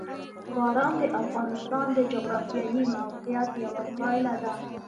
باران د افغانستان د جغرافیایي موقیعت یوه پایله ده.